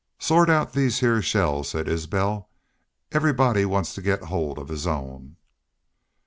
"Sort out these heah shells," said Isbel. "Everybody wants to get hold of his own."